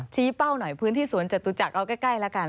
เป้าหน่อยพื้นที่สวนจตุจักรเอาใกล้แล้วกัน